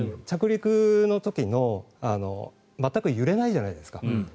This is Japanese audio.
着陸の時全く揺れないじゃないですか。